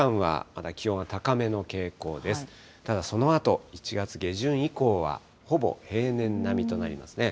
ただそのあと、１月下旬以降はほぼ平年並みとなりますね。